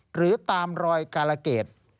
หรือตามรอยกาลเกต